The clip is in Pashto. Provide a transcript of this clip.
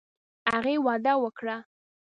هغې وعده وکړه.